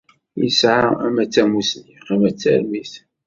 Yesɛa ama d tamussni, ama d tarmit.